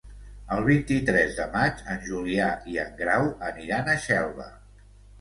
El vint-i-tres de maig en Julià i en Grau aniran a Xelva.